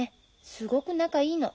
すごく仲いいの。